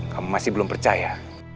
kamu masih belum percaya